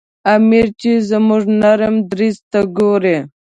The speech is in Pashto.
امیر چې زموږ نرم دریځ ته ګوري.